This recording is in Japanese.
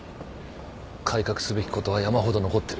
改革すべきことは山ほど残ってる。